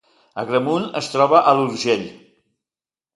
Agramunt es troba a l’Urgell